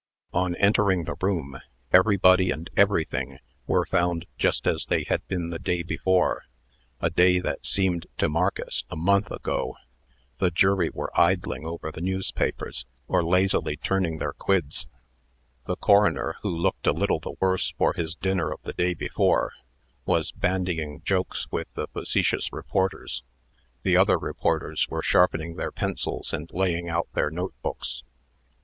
On entering the room, everybody and everything were found just as they had been the day before a day that seemed to Marcus a month ago. The jury were idling over the newspapers, or lazily turning their quids. The coroner, who looked a little the worse for his dinner of the day before, was bandying jokes with the facetious reporters. The other reporters were sharpening their pencils and laying out their note books.